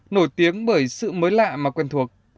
nổi tiếng bởi sự mới lạ mà quen thuộc